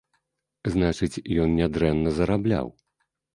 Значыць, ён нядрэнна зарабляў.